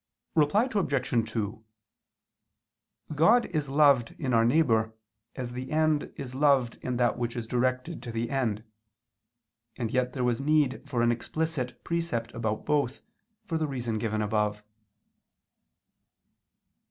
Reply Obj. 2: God is loved in our neighbor, as the end is loved in that which is directed to the end; and yet there was need for an explicit precept about both, for the reason given above.